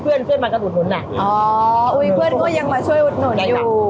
เพื่อนพี่ระมาคอกหนูนะอ๋อก็ยังมาช่วยอุดหนุนอยู่